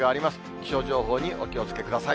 気象情報にお気をつけください。